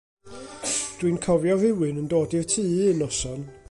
Dw i'n cofio rywun yn dod i'r tŷ un noson.